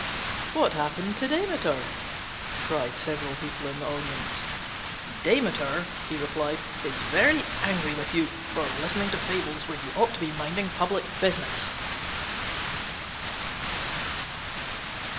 "What happened to Demeter?" cried several people in the audience. "Demeter," he replied, "is very angry with you for listening to fables when you ought to be minding public business."